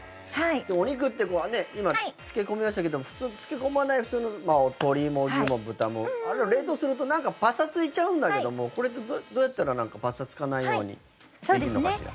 お肉って今、漬け込みましたけども普通漬け込まない鶏も牛も豚も冷凍するとパサついちゃうんだけどもこれってどうやったらパサつかないようにできるのかしら？